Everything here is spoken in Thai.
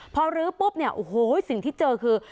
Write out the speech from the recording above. พอรื้อปุ๊บเนี่ยโอ้โหสิ่งที่เจอคือ